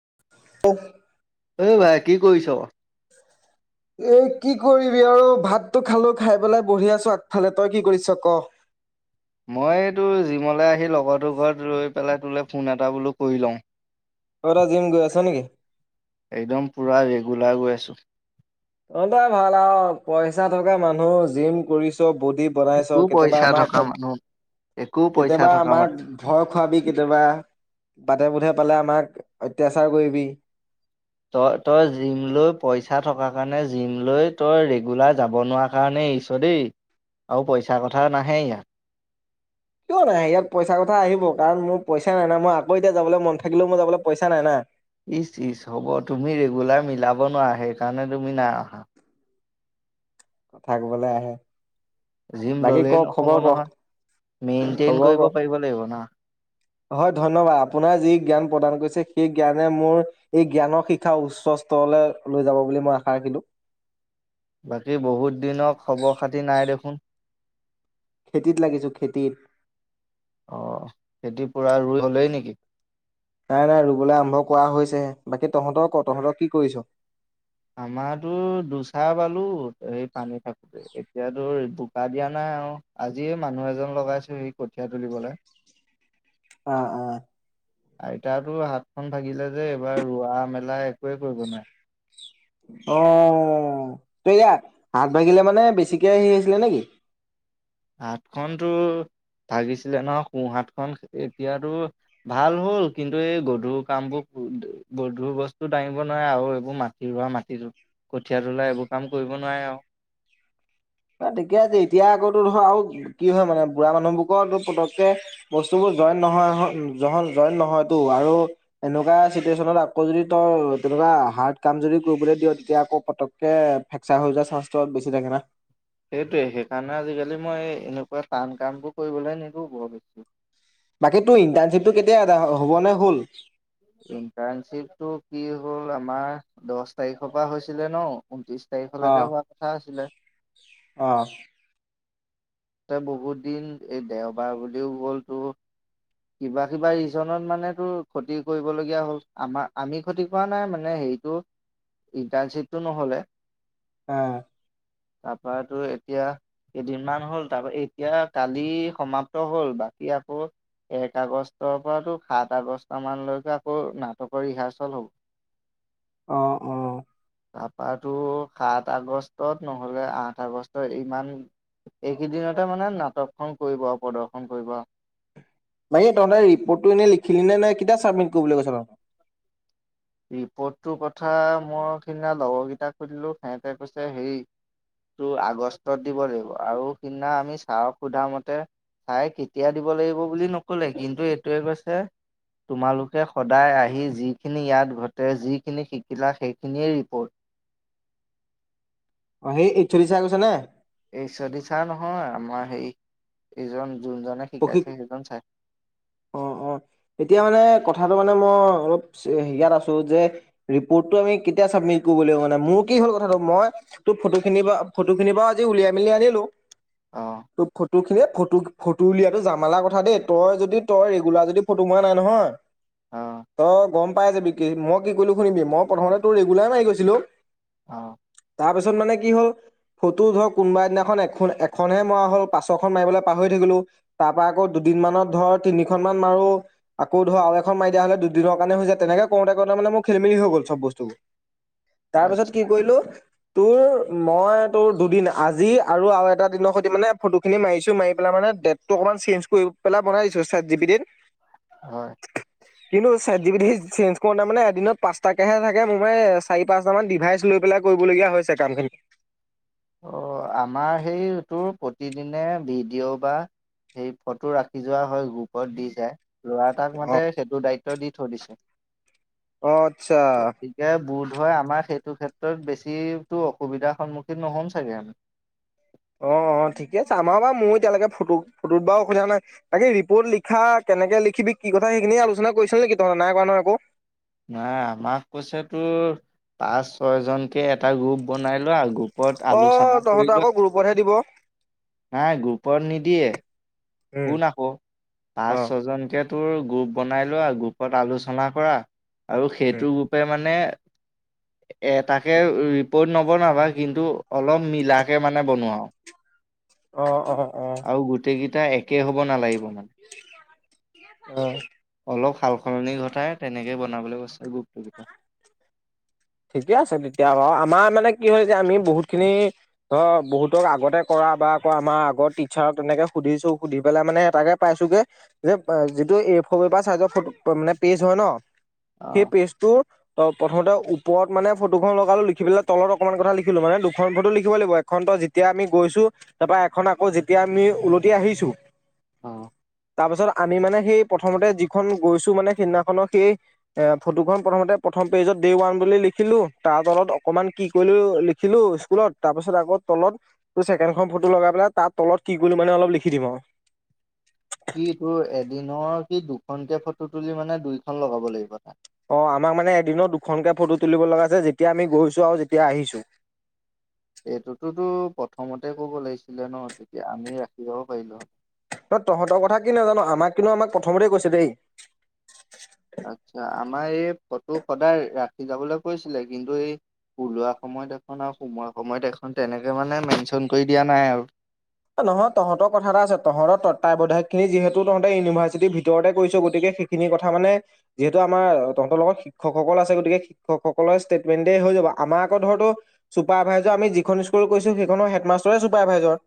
[inaudible] অ ভাই কি কৰিছ। এ কি কৰিবি আৰু ভাতটো খালো খাই পেলাই বহি আছো আগফালে তই কি কৰিছ ক [inaudible] মই এইটো জিমলৈ আহি লগৰটোৰ ঘৰত ৰৈ পেলাই তোলৈ ফোন এটা বোলো কৰি লওঁ তই এটা জিম গৈ আছ নেকি একদম পুৰা ৰেগুলাৰ গৈ আছোঁ। তহঁতৰে ভাল আৰু পইচা থকা মানুহ জিম কৰিছ। বডি বনাইছ একো কেতিয়াবা পইচা আমাক থকা মানুহ একো পইচা কেতিয়াবা থকা আমাক মানুহ ভয় খুৱাবি কেতিয়াবা বাটে পথে। পালে আমাক অত্যাচাৰ কৰিবি তই তই জিম লৈ পইচা থকা কাৰণে জিম লৈ তই ৰেগুলাৰ যাব নোৱাৰা কাৰণেই এৰিছো দেই আৰু পইচা কথা নাহে ইয়াত। কিয় নাহে ইয়াত পইচাৰ কথা আহিব কাৰণ মোৰ পইচা নাই ন মই আকৌ এতিয়া যাবলৈ মন থাকিলেও মই যাবলৈ পইচা নাই না ইচ ইচ হ'ব তুমি ৰেগুলাৰ মিলাব নোৱাৰা সেইকাৰণে তুমি নাই অহা কথা কবলে আহে জিম বাকী ক ললেই নহ'ব খবৰ ক নহয় মেইনটেইন খবৰ কৰিব ক পাৰিব লাগিব ন। হয় ধন্যবাদ আপোনাৰ যি জ্ঞান প্ৰদান কৰিছে সেই জ্ঞানে মোৰ এই জ্ঞানৰ শিক্ষা উচ্চ স্তৰলৈ লৈ যাব বুলি মই আশা ৰাখিলো বাকী বহুত দিনৰ খবৰ খাতি নাই দেখোন খেতিত লাগিছো খেতিত। অ খেতি পুৰা ৰুই হ'লেই নেকি। নাই নাই ৰুবলৈ আৰম্ভ কৰা হৈছেহে। বাকী তহঁতৰ ক তহঁতৰ কি কৰিছ। আমাৰতো দুচাহ বালো সেই পানী থাকোতে। এতিয়াতো বোকা দিয়া নাই আও আজিয়ে মানুহ এজন লগাইছো সি কঠীয়া তুলিবলৈ [inaudible] অ', অ। আইতাৰতো হাতখন ভাগিলে যে এইবাৰ ৰোৱা মেলা একোৱেই কৰিব নোৱাৰে অ ত এতিয়া হাত ভাগিলে মানে বেছিকে হেৰি হৈছিলে নেকি হাতখনটো ভাগিছিলে নহয় সোঁহাত খন এতিয়াতো ভাল হ'ল কিন্তু এই গধুৰ কামবোৰ গধুৰ বস্তু দাঙিব নোৱাৰে আৰু এইবোৰ মাটি ৰোৱা মাটিটো কঠীয়া তোলা এইবোৰ কাম কৰিব নোৱাৰে আৰু ঠিকে আছে এতিয়া আকৌতো ধৰ আৰু কি হয় মানে বুঢ়া মানুহবোৰকৰো পতককে বস্তুবোৰ জইন নহয় নহয় জ জইন নহয়তো আৰু এনেকুৱা চিটুৱেচনত আকৌ যদি তই কিবা হাৰ্ড কাম যদি কৰিবলৈ দিয়ে। তেতিয়া আকৌ পটককে ফ্ৰেকচাৰ হৈ যোৱা চান্সটো বেছি থাকে না সেইটোৱে সেইকাৰণে আজিকালি মই এনেকুৱা টান কামবোৰ কৰিবলৈ নিদিওঁ বৰ বেছি। বাকী তোৰ ইন্টাৰণশ্বিপটো কেতিয়া আদায় হ'ব নে হ'ল ইণ্টাৰণশ্বিপটো কি হ'ল আমাৰ দছ তাৰিখৰ পৰা হৈছিলে ন ঊনত্ৰিশ অ', তাৰিখলৈকে হোৱা কথা আছিলে। অ', তই বহুত দিন এই দেওবাৰ বুলিও গ'ল তোৰ কিবা কিবা ৰিজনত মানে তোৰ ক্ষতি কৰিবলগীয়া হ'ল, আমাৰ আমি ক্ষতি কৰা নাই মানে হেৰি ইটো ইন্টাৰ্নশিপটো নহ'লে আহ। তাৰপা তোৰ এতিয়া কেইদিনমান হ'ল তাৰপ এতিয়া কালি সমাপ্ত হ'ল বাকী আকৌ এক আগষ্টৰ পৰাতো সাত আগষ্ট মানলৈকে আকৌ নাটকৰ ৰিহাৰ্চেল হ'ব। [inaudible] আহ অ'। তাপা তোৰ সাত আগষ্টত নহ'লে আঠ আগষ্ট ইমান এইকেইদিনতে মানে নাটকখন কৰিব আৰু, প্ৰদৰ্শন কৰিব বাকী তহঁতে ৰিপৰ্টো এনে লিখিলি নে নাই? কেতিয়া চাবমিট কৰিবলৈ কৈছে বাৰু? ৰিপৰ্টটোৰ কথা মোৰ সিদিনা লগৰ কেইটাক সুধিলো সেহঁতে কৈছে হেৰি তোৰ আগষ্টত দিব লাগিব, আৰু সিদিনা আমি চাৰক শুধা মতে চাই কেতিয়া দিব লাগিব বুলি নকলে কিন্তু এইটোৱে কৈছে তোমালোকে সদায় আহি যিখিনি ইয়াত ঘটে যিখিনি শিকিলা সেইখিনিয়েই ৰিপ'ৰ্ট অ' সেই এইচ ও দি চাৰে কৈছে নে? এইচ ও দি চাৰ নহয় আমাৰ হে এইজন যোনজনে প্ৰশিক শিকাইছে সেইজন ছাৰ অ' অ' এতিয়া মানে কথাটো মানে মই অলপ ইয়াত আছো যে ৰিপৰ্টটো আমি কেতিয়া চাবমিট কৰিব লাগিব মানে? মোৰ কি হ'ল কথাটো মই তোৰ ফটো খিনি বাৰু ফটো খিনি বাৰু আজি উলিয়াই মেলি আনিলো অ'। তোৰ ফটো খিনি ফটো তোৰ উলিয়াটো জামালা কথা দেই তই যদি তই ৰেগুলাৰ যদি ফটো মৰা নাই নহয় অ', তই গম পাই যাবি, কি মই কি কলো শুনিবি মই প্ৰথমতে তোৰ ৰেগুলাৰ মাৰি গৈছিলো অ'। তাৰপিছত মানে কি হ'ল ফটো ধৰক কোনবা এদিনাখন এখন এখনহে মৰা হ'ল পাছৰখন মাৰিবলৈ পাহৰি থাকিলো। তাৰ পৰা আকৌ দুদিন মানত ধৰ তিনিখন মান মাৰো আকৌ ধৰ আৰু এখন মাৰি দিয়া হলে দুদিনৰ কাৰণে হৈ যায়। তেনেকে কৰোতে কৰোতে মানে মোৰ খেলিমেলি হৈ গ'ল চব বস্তুবোৰ। তাৰ পিছত কি আচ্ছা কৰিলো তোৰ মই তোৰ দুদিন আজি আৰু আৰু এটা দিনৰ সৈতি মানে ফটোখিনি মাৰিছো মাৰি পেলাই মানে ডেট টো অকণমান চেঞ্জ কৰি পেলাই বনাই দিছো চেট জি পি টিত। হয়। কিন্তু চেট জি পি টিত চেঞ্জ কৰোতে মানে এদিনত পচটাকেহে থাকে। মোৰ মানে চাৰি-পাঁচটা মান ডিভাইচ লৈ পেলাই কৰিবলগীয়া হৈছে কাম খিনি। অহ আমাৰ সেই তোৰ প্ৰতিদিনে ভিডিঅ' বা সেই ফটো ৰাখি যোৱা হয়, গ্ৰুপত দি যায়। ল'ৰা এটাক অ মাতে সেইটো দায়িত্ব দি থৈ দিছে। অ আচ্ছা। গতিকে বোধ হয় আমাৰ সেইটো ক্ষেত্ৰত বেছি তো অসুবিধাৰ সন্মুখীন নহ'ম চাগে আমি। অ-অ ঠিকে আছে। আমাৰ বাৰু মই এতিয়ালৈকে ফটো-ফটোত বাৰু অসুবিধা নাই। বাকী ৰিপৰ্ট লিখা কেনেকে লিখিবি কি কথা সেইখিনি আলোচনা কৰিছ' নিকি তই? নাই কৰা নহয় একো? নাই আমাক কৈছে তোৰ পাঁচ-ছয় জনকে এটা গ্ৰুপ বনাই লোৱা গ্ৰুপ অত অ আলোচনা কৰি তহঁতৰ আকৌ লোৱা, গ্ৰুপতহে দিব নাই গ্ৰুপত নিদিয়ে। উম শুন আকৌ অ পাঁচ-ছজনকে তোৰ গ্ৰুপ বনাই লোৱা গ্ৰুপত আলোচনা কৰা আৰু উম সেইটো গ্ৰুপে মানে এটাকে ৰিপৰ্ট নবনাবা কিন্তু অলপ মিলাকে মানে বনোৱা আৰু। অ-অ-অ। টা একে হ'ব নালাগিব। মানে অ। সাল-সলনি ঘটাই তেনেকে বনাবলৈ কৈছে। গু ঠিকে আছে তেতিয়া বাৰু। আমাৰ মানে কি হয় যে আমি বহুত খিনি ধৰ বহুতক আগতে কৰা বা আকৌ আমাৰ আগৰ টিচাৰক তেনেকে সুধিছোঁ সুধি পেলাই মানে তাকে পাইছোগে যে যিটো এফৰ পেপাৰ চাইজৰ ফটো মানে পেজ হয় ন' অ সেই পেজ ত' প্ৰথমতে ওপৰত মানে ফটোখন লগা লগ লিখি পেলাই তলত অকনমান কথা লিখিলো মানে দুখন ফটো লিখিব লাগিব এখন ত'যেতিয়া আমি গৈছো তাৰপা এখন আকৌ যেতিয়া আমি উওলতি আহিছো অ', তাৰ পিছত আমি মানে সেই প্ৰথমতে যিখন গৈছোঁ মানে, সিদিনাখনৰ সেই অ'- ফটোখন প্ৰথমতে প্ৰথম পেজত ডে ওৱান বুলি লিখিলো তাৰ তলত অকণমান কি কৰিলো লিখিলো স্কুলত তাৰপাছত তাৰপিছত আকৌ তলত ছেকেনখন ফটো লগাই পেলাই তাৰ তলত কি কৰিলোঁ মানে অলপ লিখি দিম আৰু। কি তোৰ এদিনৰ কি দুখনকে ফটো তুলি মানে দুইখন লগাব লাগিব তাত। অ, আমাক মানে এদিনত দুখনকে ফটো তুলিব লগা আছে যেতিয়া আমি গৈছো আৰু যেতিয়া আহিছো। [inaudible] এইটোতোতো প্ৰথমতে কব লাগিছিলে ন' তেতিয়া আমি ৰাখি যাব পাৰিলো হয়। তহঁতৰ কথা কি নাজানো, আমাক কিন্তু আমাক প্ৰথমতে কৈছে দেই। আচ্ছা। আমাৰ এই ফটো সদায় ৰাখি যাবলৈ কৈছিলে। কিন্তু এই ওলোৱা সময়ত এখন আৰু সোমোৱা সময়ত এখন তেনেকে মানে মেনশন কৰি দিয়া নাই আৰু। অ' নহয়, তহঁতৰ কথা এটা আছে। তহঁতৰ তত্ত্বাবধায়ক সেই যিহেতু তহঁতে ইউনিভাৰ্চিটিৰ ভিতৰতে কৰিছ, গতিকে সেইখিনি কথা মানে যিহেতু আমাৰ তহঁতৰ লগত শিক্ষকসকল আছে, গতিকে শিক্ষকসকলৰ ষ্টেটমেন্টে হৈ যাব। আমাৰ আকৌ ধৰ তোৰ চুপাৰভাইজাৰ আমি যিখন স্কুল গৈছোঁ, সেইখন স্কুলৰ হেড মাষ্টৰে চুপাৰ ভাইজাৰ।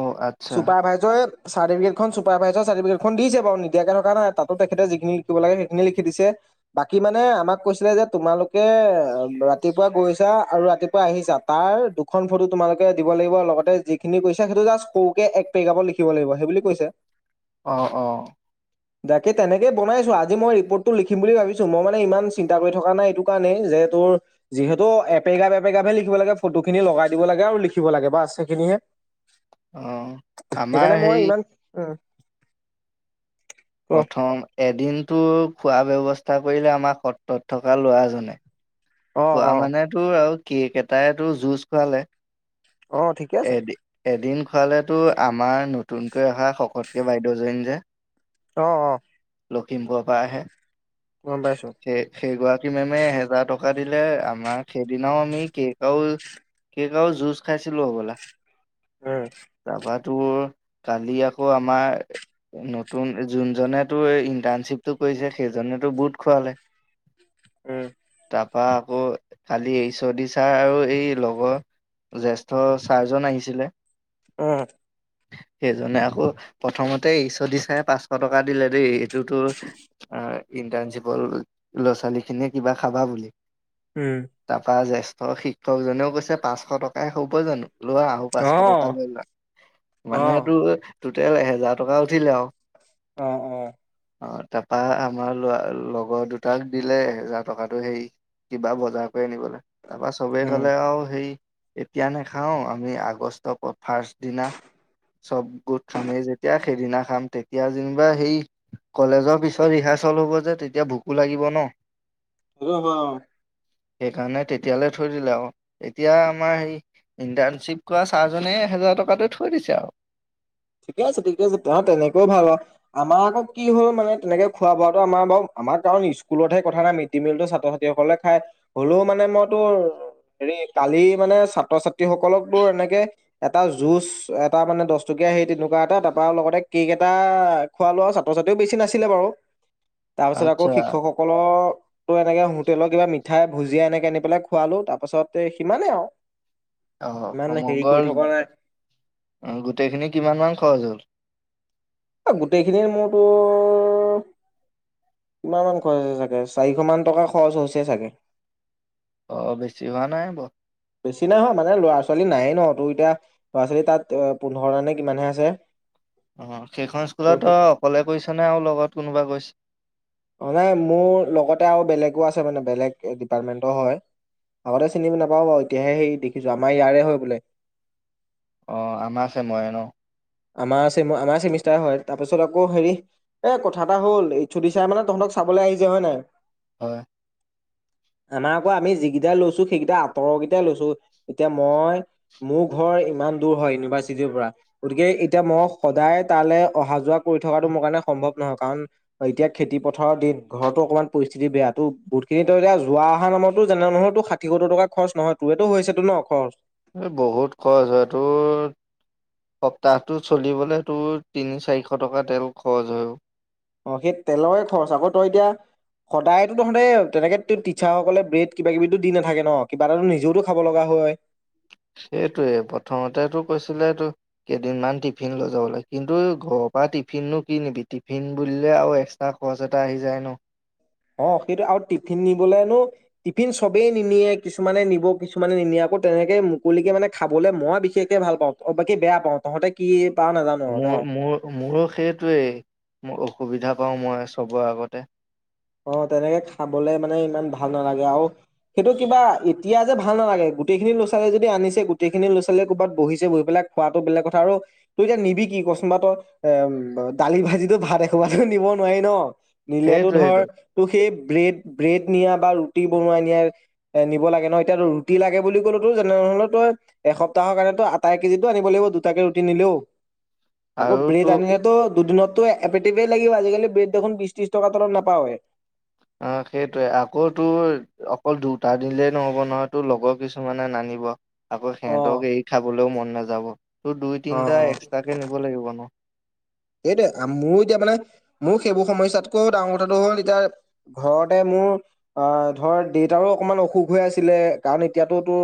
অ' আচ্ছা চুপাৰ ভাইজৰে চাৰ্টিফিকেটখন চুপাৰভাইজাৰ চাৰ্টিফিকেখন দিছে বাৰু, নিদিয়াকে থকা নাই। তাতো তেখেতে যিখিনি লিখিব লাগে, সেইখিনি লিখি দিছে। বাকী মানে আমাক কৈছিলে যে, তোমালোকে ৰাতিপুৱা গৈছা আৰু ৰাতিপুৱা আহিছা। তাৰ দুখন ফটো তোমালোকে দিব লাগিব লগতে যি খিনি কৈছে, সেইটো জাষ্ট সৰুকে এক পেৰেগাফত লিখিব লাগিব, সেইবুলি কৈছে। অ' - অ'। তাকে তেনেকে বনাইছোঁ। আজি মই ৰিপৰ্টটো লিখিম বুলি ভাবিছোঁ। মই মানে ইমান চিন্তা কৰি থকা নাই এইটো কাৰণেই যে তোৰ যিহেতু এপেগাফ এপেগাফহে লিখিব লাগে, ফটোখিনি লগাই দিব লাগে আৰু লিখিব লাগে। বাছ, সেইখিনিহে। অ' আমাৰ সেইকাৰণে সেই মই ইমান উম, ক প্ৰথম এদিনতো খোৱা ব্যৱস্থা কৰিলে আমাৰ সত্ৰত থকা ল'ৰাজনে অ খোৱা অ মানে টো আৰু কেক এটাইটো জুচ খোৱালে অ ঠিকে আছে এদ-এদিন ফালেতো আমাৰ নতুনকৈ অহা শকতকে বাইদেউজনী যে অ', অ', লখিমপুৰৰ পা আহে। গম পাইছো। সেই গৰাকী মেমে এহেজাৰ টকা দিলে আমাক সেইদিনাও আমি কেকও কেক আৰু জুস খাইছিলো হ'বলা। অ'। তাৰপা তোৰ কালি আকৌ আমাৰ নতুন যোন জনে টোৰ এই ইন্টাৰ্নশিপটো কৰিছে সেইজনেটো বহোত খোৱালে। উম। তাৰপৰা আকৌ কালি এইচ অ ডি ছাৰ আৰু এই লগ জ্যেষ্ঠ চাৰ জন আহিছিলে। উম। সেইজনে আকৌ প্ৰথমতে [unintelligible] চাৰে পাঁচশ টকা দিলে দেই। [unintelligible] ইন্টাৰ্নশিপৰ ল'ৰা ছোৱালী খিনিয়ে কিবা খাবা বুলি। উম তাৰপা জ্যেষ্ঠ শিক্ষকজনেও কৈছে পাঁচশ টকাৰে হ'ব জানো? লোৱা, আৰু পাঁচশ আহ টকা লৈ লোৱা। মানে আহ এইটো টোটেল এহেজাৰ টকা উঠিলে আৰু। অ' অ' অ' তাৰপৰা আমাৰ ল'ৰা লগৰ দুটাক দিলে এহেজাৰ টকাটো, হেৰি কিবা বজাৰ কৰি আনিবলৈ। তাৰপৰা চবেই উম ক'লে আৰু সেই এতিয়া নাখাওঁ, আমি আগষ্টৰ ফাৰ্ষ্ট দিনা চব গোট খামেই যেতিয়া সেইদিনা খাম, তেতিয়া যেনিবা সেই কলেজৰ পিছৰ কলেজ হ'ব যে, তেতিয়া ভোকো লাগিব ন। সেইটো হয় অ' সেইকাৰণে তেতিয়ালে থৈ দিলে আৰু, এতিয়া আমাৰ সেই ইণ্টাৰ্ণশ্বিপ কৰা ছাৰজনে, এহেজাৰ টকাটো থৈ দিছে আৰু। ঠিকে আছে, ঠিকে আছে। অ' তেনেকৈও ভাল আৰু আমাৰ আকৌ কি হ'ল মানে তেনেকে খোৱা বোৱাটো আমাৰ বাৰু আমাৰ কাৰণ স্কুলত হে কথা নাই, মিটিং মিলতো ছাত্ৰ-ছাত্ৰীসকলে খাই হ'লেও মানে মইতো হেৰি কালি মানে ছাত্ৰ-ছাত্ৰী সকলক তোৰ এনেকে এটা জুচ, এটা মানে দহ টকা টকীয়া সেই তেনেকুৱা এটা তাৰপৰা লগতে কেক এটা খোৱালো আৰু ছাত্ৰ-ছাত্ৰীও বেছি নাছিলে বাৰু। তাৰপিছত আকৌ আচ্ছা শিক্ষকসকলৰ ত এনেকে হোটেলৰ কিবা মিঠাই, ভুজিয়া এনেকে আনি পেলাই খোৱালো, তাৰ পাছতে সিমানে আৰু। অহ, ইমান হেৰি কৰি সমগ্ৰ থকা নাই গোটেইখিনি কিমান মান খৰছ হ'ল? অ' গোটেইখিনিৰ মোৰতো কিমান মান খৰচ আছে চাগে? চাৰিশ মান টকা খৰচ হৈছে চাগে। অ' বেছি হোৱা নাই বাৰু। বেছি নাই হোৱা, মানে ল'ৰা-ছোৱালী নাইয়েই ন, তোৰ এতিয়া ল'ৰা-ছোৱালী তাত এ পোন্ধৰ জন নে কিমানহে আছে। অ' সেইখন ত' স্কুলতো সেই অকলে গৈছা নে আৰু লগত কোনোবা গৈছে? অ' নাই, মোৰ লগতে আৰু বেলেগো আছে মানে, বেলেগ ডিপাৰ্টমেণ্টৰ হয়। আগতে চিনি নাপাওঁ বাৰু, এতিয়াহে সেই দেখিছোঁ। আমাৰ ইয়াৰে হয় বোলে। অ' আমাৰ ছেমৰে ন'? আমাৰ ছেম- আমাৰ ছেমিষ্টাৰ হয়। তাৰ পিছত আকৌ হেৰি- এ কথা এটা হ'ল। এইচ অ ডি ছাৰে মানে তঁহতক চা খাবলৈ আহিছে, হয় নাই? হয়। আমাৰ আকৌ আমি যিকেইটা লৈছোঁ, সেইকেইটা আঁতৰৰ কেইটাই লৈছোঁ। এতিয়া মই, মোৰ ঘৰ ইমান দূৰ হয় ইউনিভাৰ্চিটিৰ পৰা। গতিকে এতিয়া মই সদায় তালৈ অহা-যোৱা কৰি থকাটো মোৰ কাৰণে সম্ভৱ নহয়। কাৰণ এতিয়া খেতি পথাৰৰ দিন, ঘৰতো অকণমান পৰিস্থিতি বেয়া তো। বহুতখিনি তো এতিয়া যোৱা-অহাৰ নামতো যেনে নহয়তো ষাঠি-সত্তৰ টকা খৰচ নহয়, তোৰেতো হৈছেতো ন' খৰচ। এই বহুত খৰচা। তোৰ সপ্তাহটো চলিবলৈ তোৰ তিনি-চাৰিশ টকা তেল খৰচ হয়। অ' সেই তেলৰে খৰচ আকৌ। তই এতিয়া সদায়তো তহঁতে তেনেকে তো টিচাৰসকলে ব্ৰেড কিবা-কিবিতো দি নেথাকে ন'। কিবা এটাতো নিজেওতো খাব লগা হয়। সেইটোৱে। প্ৰথমতেতো কৈছিলেতো কেইদিনমান টিফিন লৈ যাবলৈ। কিন্তু ঘৰৰ পৰা টিফিননো কি নিবি? টিফিন বুলিলে আৰু এক্সট্ৰা খৰচ এটা আহি যায় ন'। অ' সেইটো আৰু টিফিন নিবলে নো টিফিন চবেই নিনিয়ে, কিছুমানে নিব, কিছুমানে নিনিয়া আকৌ তেনেকে মুকলিকে মানে খাবলৈ মই বিশেষকে ভাল পাওঁ অ'- বা কি বেয়া পাওঁ। তহঁতে কি পাৱ নাজানো আৰু ন। মোৰ- মোৰ- মোৰো সেইটোৱেই। মোৰ অসুবিধা পাওঁ মই চবৰ আগতে। অ' তেনেকে খাবলে মানে ইমান ভাল নালাগে, আৰু সেইটো কিবা এতিয়া যে ভাল নালাগে। গোটেইখিনি ল'ৰা-ছোৱালী যদি আনিছে, গোটেইখিনি ল'ৰা-ছোৱালীয়ে ক'ৰবাত বহিছে, বহি পেলাই খোৱাতো বেলেগ কথা আৰু তো এতিয়া নিবি কি? কি কওচোন বা তই? এ দালি, ভাজি, তো ভাত একসোপাতো নিব নোৱাৰি ন। নিলেতো ধৰ সেইটোৱেইটো তোৰ সেই ব্ৰেড-ব্ৰেড নিয়া বা ৰুটি বনাই নিয়া নিব লাগে ন, এতিয়া ৰুটি লাগে বুলি কলোঁ তোৰ যেনে হ'লে তই একসপ্তাহ তাৰ কাৰণে তই আটা এক কেজিতো আনিব লাগিব দুটাকে ৰুটি নিলেও, আকৌ আৰু ব্ৰেড তো আনিলেতো দুদিনত [unintelligible] লাগিব আজিকালি ব্ৰেড দেখোন বিশ ত্ৰশ টকাৰ তলত নাপায় এ অ সেইটোৱে আকৌ তো অকল দুটা দিলেই নহ'ব নহয় তোৰ লগৰ কিছুমানে নানিব আকৌ অ সিহঁতক এৰি খাবলৈও মন নাযাব তোৰ দুই অ তিনিটা এক্সট্ৰাকে নিব লাগিব ন এইটোৱে মোৰো এতিয়া মানে মোৰ সেইবোৰ সমস্যাতকৈ ডাঙৰ কথাটো হ'ল এতিয়া ঘৰতে মোৰ মোৰ ধৰ দেউতাৰো অকণমান অসুখ হৈ আছিলে কাৰণ এতিয়াটোতো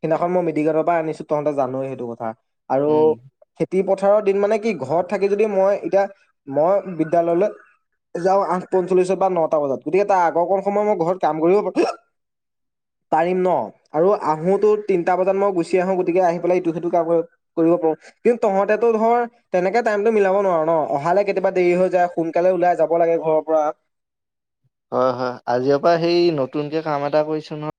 সেইদিনাখন মই মি মেডিকেলৰ পৰা আনিছো তহতে জানয়ে সেইটো কথা আৰু উম খেতি পথাৰৰ দিন মানে কি ঘৰত থাক যদি মই এতিয়া মই বিদ্যালয়লৈ যাও আঠ পঞ্চল্লিশত বা নটা বজাত গতিকে তাৰ আগৰ অকণ সময় মই ঘৰত কাম কৰিব পাৰো। [inaudible] পাৰিম ন আৰু আহোতো তিনিটা বজাত মই গুচি আহোঁ গতিকে আহি পেলাই ইটো সেইটো কাম কৰিব পাৰোঁ। কিন্তু তহঁতেতটো ধৰ তেনেকে টাইমটো মিলাব নোৱাৰো ন অহালে কেতিয়াবা দেৰি হৈ যায় সোনকালে ওলাই যাব লাগে ঘৰৰ পৰা। হয় হয় আজি পৰা সেই নতুনকে কাম এটা কৰিছো নহ।